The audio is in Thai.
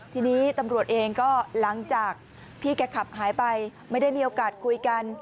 ทีนี้ตำรวจเองก็หลังจากพี่แกขับหายไปไม่ได้มีโอกาสคุยกัน